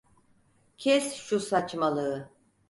Kes şu saçmalığı!